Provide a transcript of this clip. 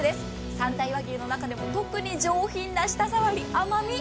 三大和牛の中でも特に上品な舌ざわり甘味。